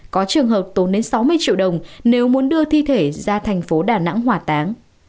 có trường hợp tốn đến sáu mươi triệu đồng nếu muốn đưa thi thể ra thành phố đà nẵng hỏa táng